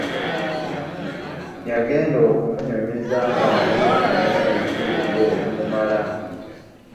Yagenda okumunyumiza nga naye alina ebizibu bye ebimumala.